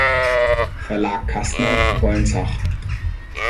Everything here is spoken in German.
Verlag Kastner, Wolnzach